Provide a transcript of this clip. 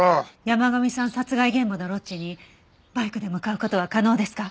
山神さん殺害現場のロッジにバイクで向かう事は可能ですか？